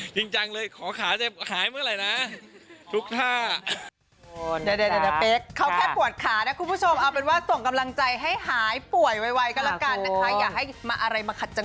จริงจังเลยขอขาจะหายเมื่อไหร่นะ